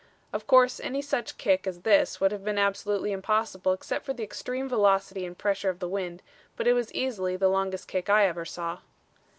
Of course any such kick as this would have been absolutely impossible except for the extreme velocity and pressure of the wind, but it was easily the longest kick I ever saw.